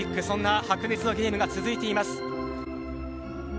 そんな白熱のゲームが続いています。